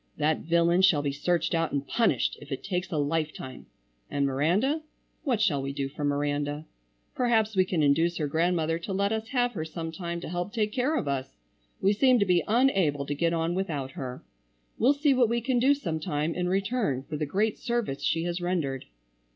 That villain shall be searched out and punished if it takes a lifetime, and Miranda,—what shall we do for Miranda? Perhaps we can induce her grandmother to let us have her sometime to help take care of us. We seem to be unable to get on without her. We'll see what we can do sometime in return for the great service she has rendered."